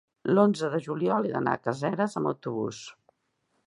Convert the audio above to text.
l'onze de juliol he d'anar a Caseres amb autobús.